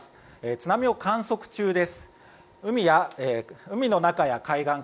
津波を観測中です。